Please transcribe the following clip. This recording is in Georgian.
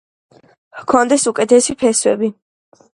ჰქონდეს უკეთესი ფესვები.